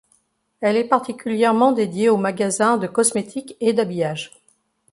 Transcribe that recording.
Elle est particulièrement dédiée aux magasins de cosmétique et d'habillage.